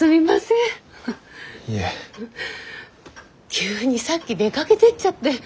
急にさっき出かけてっちゃって。